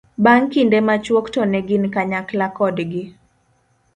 bang' kinde machuok to ne gin kanyakla kodgi